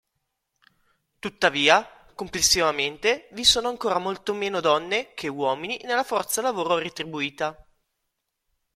Tuttavia, complessivamente vi sono ancora molto meno donne che uomini nella forza lavoro retribuita.